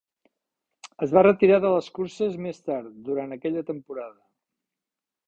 Es va retirar de les curses més tard durant aquella temporada.